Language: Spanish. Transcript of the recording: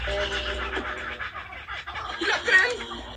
Estas corridas se realizan a la usanza española y simulacro de muerte.